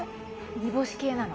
煮干し系なの。